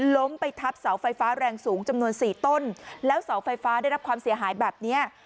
ล้มไปทับเสาไฟฟ้าแรงสูงจำนวนสี่ต้นแล้วเสาไฟฟ้าได้รับความเสียหายแบบเนี้ย